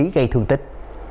gây thương tích